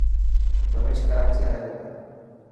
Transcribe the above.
پويش ڪراچي آيو هي.